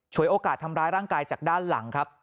โอกาสทำร้ายร่างกายจากด้านหลังครับ